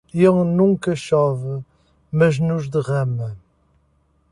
Ele nunca chove, mas nos derrama.